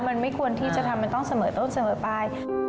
มันไม่ควรที่จะทำมันต้องเสมอต้นเสมอไป